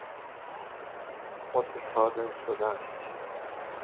متصادم شدن